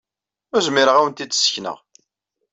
Ur zmireɣ ad wen-t-id-ssekneɣ.